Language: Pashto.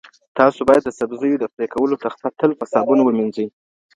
تاسو باید د سبزیو د پرې کولو تخته تل په صابون ومینځئ.